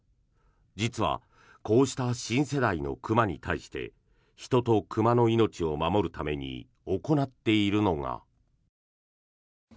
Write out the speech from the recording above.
実はこうした新世代の熊に対して人と熊の命を守るために行っているのが。